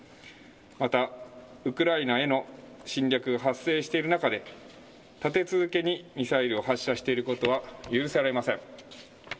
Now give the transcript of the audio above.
またウクライナへの侵略が発生している中で立て続けにミサイルを発射していることは許せません。